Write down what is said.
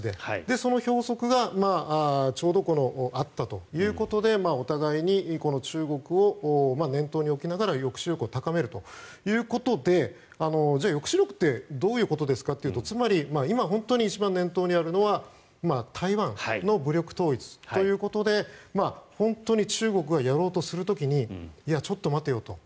その平仄がちょうど合ったということでお互いに中国を念頭に置きながら抑止力を高めるということで抑止力ってどういうことですかというと一番念頭にあるのは台湾の武力統一ということで本当に中国はやろうとする時にちょっと待てよと。